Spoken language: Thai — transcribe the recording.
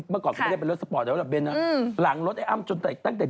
เมื่อก่อนก็ไม่ได้เป็นรถสปอร์ตแต่ว่าเน้นหลังรถไอ้อ้ำจนตั้งแต่